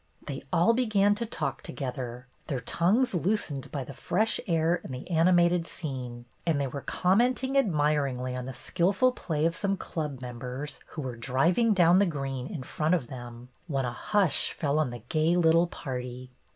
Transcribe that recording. They all began to talk together, their tongues loosened by the fresh air and the ani mated scene, and were commenting admir ingly on the skilful play of some club members who were driving down the green in front of them, when a hush fell on the gay little party.